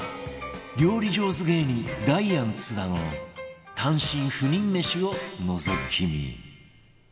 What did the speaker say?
料理上手芸人ダイアン津田の単身赴任飯をのぞき見